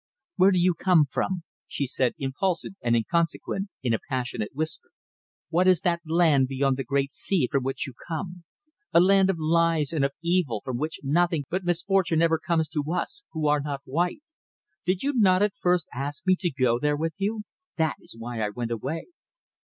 "Where do you come from?" she said, impulsive and inconsequent, in a passionate whisper. "What is that land beyond the great sea from which you come? A land of lies and of evil from which nothing but misfortune ever comes to us who are not white. Did you not at first ask me to go there with you? That is why I went away."